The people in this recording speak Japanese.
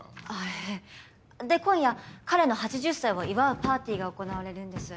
ええで今夜彼の８０歳を祝うパーティーが行われるんです。